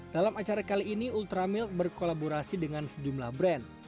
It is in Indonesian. dalam acara kali ini ultramilk berkolaborasi dengan sejumlah brand